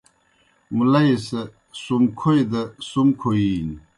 مُلئی سہ سُم کھوئی دہ سُم کھویینیْ۔